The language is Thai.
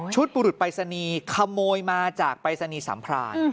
บุรุษปรายศนีย์ขโมยมาจากปรายศนีย์สัมพราน